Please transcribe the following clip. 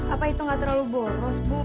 apa itu nggak terlalu boros bu